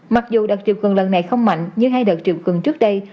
mặc dù đợt chiều cường lần này không mạnh như hai đợt chiều cường trước đây